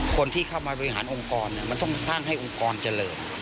คนที่เข้ามาบริหารองค์กรมันต้องสร้างให้องค์กรเจริญ